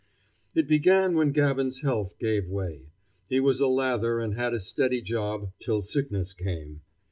It began when Gavin's health gave way. He was a lather and had a steady job till sickness came.